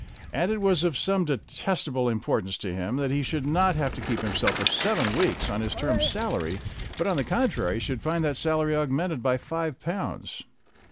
And it was of some detestable importance to him that he should not have to keep himself for seven weeks on his term's salary, but, on the contrary, should find that salary augmented by five pounds.